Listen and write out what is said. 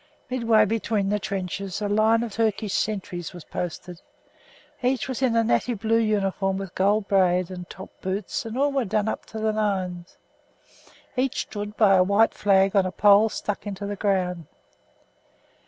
Midway between the trenches a line of Turkish sentries were posted. Each was in a natty blue uniform with gold braid, and top boots, and all were done "up to the nines." Each stood by a white flag on a pole stuck in the ground.